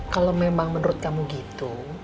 kalau memang menurut kamu gitu